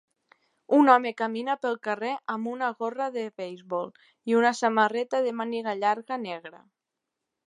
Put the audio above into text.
Un home camina pel carrer amb una gorra de beisbol i una samarreta de màniga llarga negra.